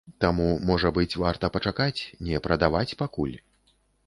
Таму, можа быць, варта пачакаць, не прадаваць пакуль.